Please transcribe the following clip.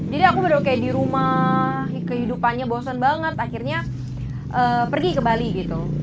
jadi aku udah kayak di rumah kehidupannya bosen banget akhirnya pergi ke bali gitu